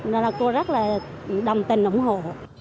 nên là cô rất là đồng tình ủng hộ